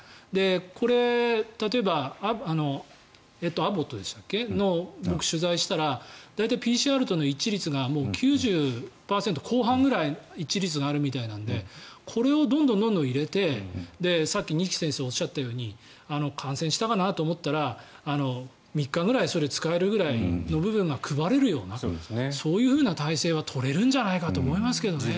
これ、例えばアボット、僕、取材したら大体、ＰＣＲとの一致率が９０％後半ぐらいあるらしいのでこれをどんどん入れて、さっき二木先生がおっしゃったように感染したかなと思ったら３日ぐらいそれを使えるぐらい配れるようなそういうふうな体制は取れるんじゃないかと思いますけどね。